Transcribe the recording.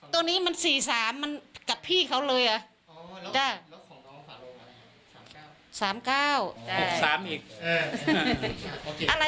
ตัวนี้มัน๔๓มันกับพี่เขาเลยอะโอ้โหแล้วของน้องฝาลงอะไร